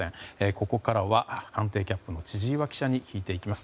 ここからは官邸キャップの千々岩記者に聞いていきます。